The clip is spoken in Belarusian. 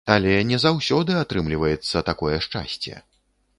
Але не заўсёды атрымліваецца такое шчасце!